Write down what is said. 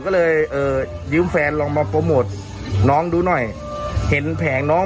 ก็เลยเอ่อยืมแฟนลองมาโปรโมทน้องดูหน่อยเห็นแผงน้อง